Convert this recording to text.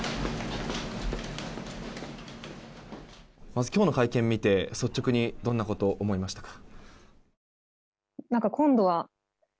まず今日の会見を見て率直にどんなことを思いましたか。